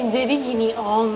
jadi gini om